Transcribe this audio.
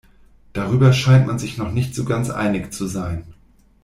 Darüber scheint man sich noch nicht so ganz einig zu sein.